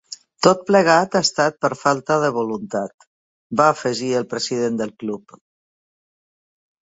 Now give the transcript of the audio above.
Tot plegat ha estat per falta de voluntat, va afegir el president del club.